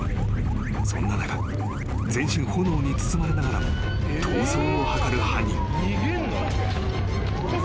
［そんな中全身炎に包まれながらも逃走を図る犯人］